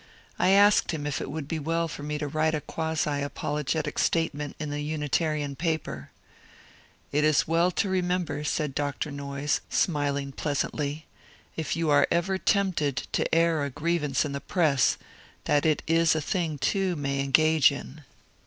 I asked him if it would be well for me to write a quasi apologetic statement in the Unitarian paper. ^^ It is well to remember," said Dr. Noyes, smiling pleasantly, ^' if you are ever tempted to air a grievance in the press, that it is a thing two may engage in."